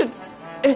えっ。